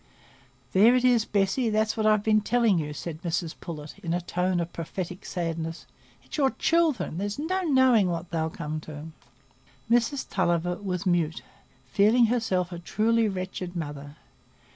"There it is, Bessy; it's what I've been telling you," said Mrs Pullet, in a tone of prophetic sadness; "it's your children,—there's no knowing what they'll come to." Mrs Tulliver was mute, feeling herself a truly wretched mother.